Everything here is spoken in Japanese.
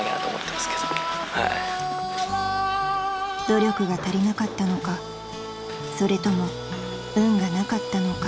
［努力が足りなかったのかそれとも運がなかったのか］